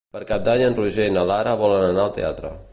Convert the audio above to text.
Per Cap d'Any en Roger i na Lara volen anar al teatre.